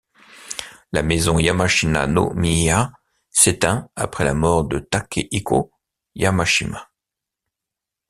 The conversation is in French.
La maison Yamashina-no-miya s'éteint après la mort de Takehiko Yamashina.